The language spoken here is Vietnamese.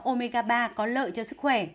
omega ba có lợi cho sức khỏe